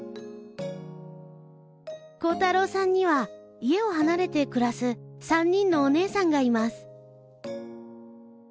煌太郎さんには家を離れて暮らす３人のお姉さんがいます。